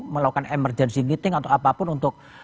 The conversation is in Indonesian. melakukan emergency meeting atau apapun untuk